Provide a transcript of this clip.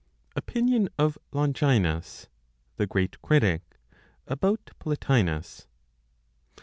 OPINION OF LONGINUS, THE GREAT CRITIC, ABOUT PLOTINOS.